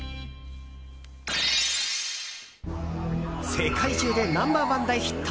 世界中でナンバー１大ヒット。